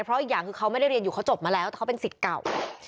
เพราะอีกอย่างคือเขาไม่ได้เรียนอยู่เขาจบมาแล้วแต่เขาเป็นสิทธิ์เก่า